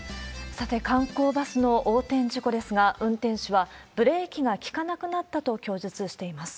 さて、観光バスの横転事故ですが、運転手は、ブレーキが利かなくなったと供述しています。